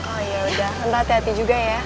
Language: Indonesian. oh ya udah nanti hati hati juga ya